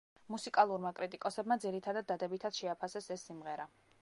მუსიკალურმა კრიტიკოსებმა ძირითადად დადებითად შეაფასეს ეს სიმღერა.